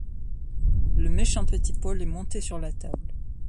Le méchant petit Paul est monté sur la table.